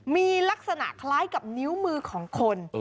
มีลักษณะคล้ายกับนิ้วมือของคน